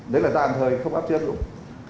đấy là tạm thời không áp dụng